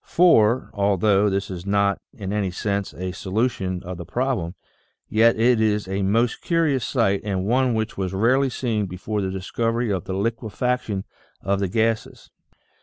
For, although this is not in any sense a so lution of the problem, yet it is a most curious sight and one which was rarely seen before the discovery of the liquefac tion of the gases.